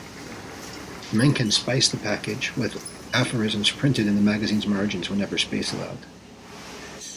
Mencken spiced the package with aphorisms printed in the magazine's margins whenever space allowed.